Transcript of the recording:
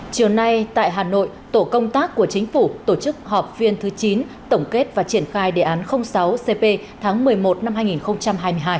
chiều nay tại hà nội tổ công tác của chính phủ tổ chức họp phiên thứ chín tổng kết và triển khai đề án sáu cp tháng một mươi một năm hai nghìn hai mươi hai